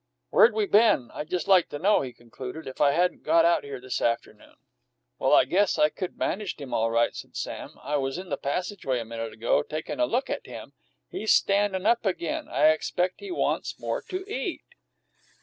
"Where'd we been, I'd just like to know," he concluded, "if I hadn't got out here this afternoon?" "Well, I guess I could managed him all right," said Sam. "I was in the passageway, a minute ago, takin' a look at him. He's standin' up agin. I expect he wants more to eat."